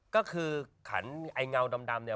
ก็คือขันไอ้เงาดำเนี่ย